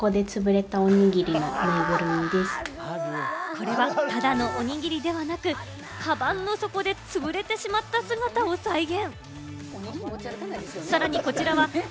これはただのおにぎりではなく、カバンの底で潰れてしまった姿を再現。